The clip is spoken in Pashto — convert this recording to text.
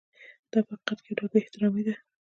دا په حقیقت کې یو ډول بې احترامي ده.